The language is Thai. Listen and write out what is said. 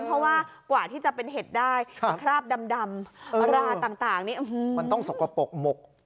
เพราะว่ากว่าที่จะเป็นเห็ดได้คราบดำราต่างนี่มันต้องสกปรกหมก